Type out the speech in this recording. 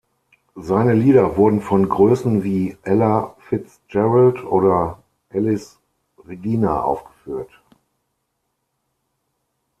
Seine Lieder wurden von Größen wie Ella Fitzgerald oder Elis Regina aufgeführt.